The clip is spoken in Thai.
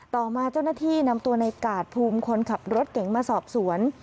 ต่อมาเจ้าหน้าที่นำตัวในกาดภูมิคนขับรถเก๋งมาสอบสวน